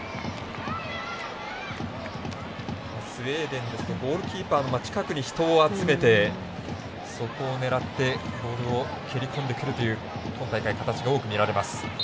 スウェーデンですとゴールキックの近くに人を集めて、そこを狙ってボールを蹴り込んでくるという形が今大会、多く見られます。